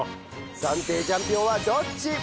暫定チャンピオンはどっち！？